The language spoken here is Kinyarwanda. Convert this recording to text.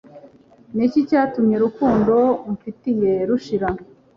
Niki cyatumye urukundo umfitiye rushira